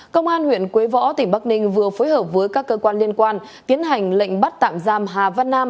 công an huyện quế võ tỉnh bắc ninh vừa phối hợp với các cơ quan liên quan tiến hành lệnh bắt tạm giam hà văn nam